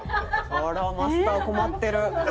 あらマスター困ってる。